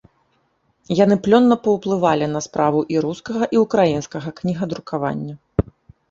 Яны плённа паўплывалі на справу і рускага, і ўкраінскага кнігадрукавання.